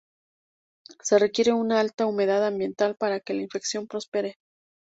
Se requiere una alta humedad ambiental para que la infección prospere.